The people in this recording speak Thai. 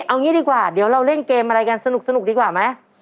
เอางี้ดีกว่าเดี๋ยวเราเล่นเกมอะไรกันสนุกดีกว่าไหม